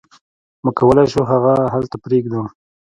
موږ کولی شو هغه هلته پریږدو